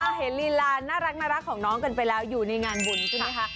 เห็นลีลาน่ารักของน้องกันไปแล้วอยู่ในงานบุญใช่ไหมคะ